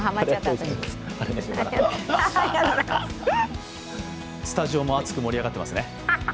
私スタジオも熱く盛り上がっていますね。